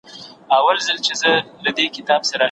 د علم زده کړه انسان ته بصیرت او پوهه ورکوي.